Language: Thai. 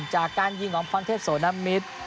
จากการยิงของพร้อมเทพศนมิตร